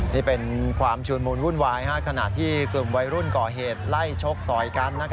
นี่เป็นความชุนมูลวุ่นวายขณะที่กลุ่มวัยรุ่นก่อเหตุไล่ชกต่อยกัน